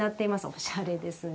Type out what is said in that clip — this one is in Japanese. おしゃれですね。